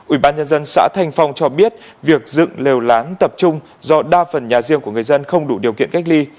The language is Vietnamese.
ủy ban nhân dân xã thanh phong cho biết việc dựng lều lán tập trung do đa phần nhà riêng của người dân không đủ điều kiện cách ly